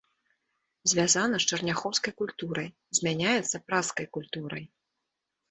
Звязана з чарняхоўскай культурай, змяняецца пражскай культурай.